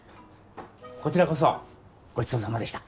こちらこそごちそうさまでした。